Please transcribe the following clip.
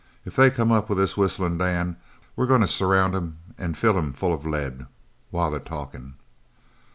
If they come up with this Whistlin' Dan we're goin' to surround him an' fill him full of lead, while they're talkin'."